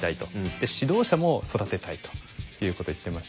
で指導者も育てたいということを言ってましたね。